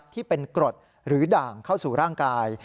ที่เป็นกรดหรือด่างเข้าสู่ร่างกาย